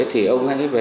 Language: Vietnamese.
thì ông hãy về